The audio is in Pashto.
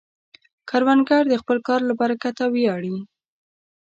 کروندګر د خپل کار له برکته ویاړي